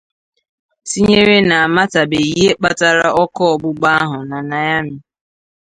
tinyere na amatabeghị ihe kpatara ọkụ ọgbụgba ahụ na Niamey.